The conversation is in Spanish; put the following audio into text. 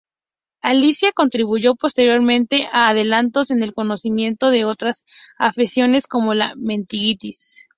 Alice contribuyó posteriormente a adelantos en el conocimiento de otras afecciones como la meningitis.